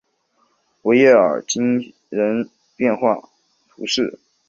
维耶尔济人口变化图示